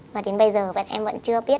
và đến bây giờ em vẫn chưa biết